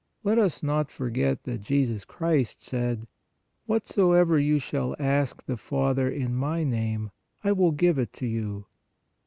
Let us not forget that Jesus Christ said :" Whatsoever you shall ask the Father in My name, I will give it to you.